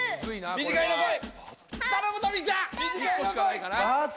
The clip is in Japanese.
短いのこい